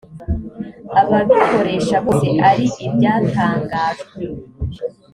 ababikoresha bose ari ibyatangajwe